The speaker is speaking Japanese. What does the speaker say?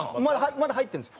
まだ入ってるんです。